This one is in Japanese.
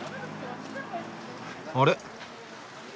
あれ？